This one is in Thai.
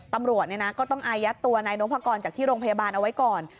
ตำรวจก็ต้องอายัดตัวนายนพกรจากที่โรงพยาบาลเอาไว้ก่อน